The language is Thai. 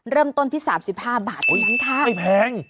เริ่มต้นที่๓๕บาทนั้นค่ะโอ้โฮไม่แพง